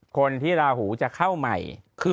คนที่ราหูจะเข้าใหม่